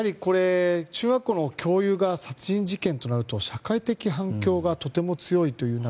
中学校の教諭が殺人事件となると社会的反響がとても強いと。